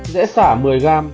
dễ xả một mươi g